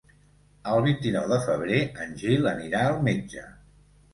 El vint-i-nou de febrer en Gil anirà al metge.